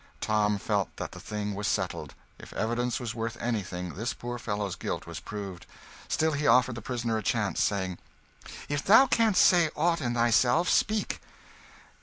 Tom felt that the thing was settled; if evidence was worth anything, this poor fellow's guilt was proved. Still he offered the prisoner a chance, saying "If thou canst say aught in thy behalf, speak."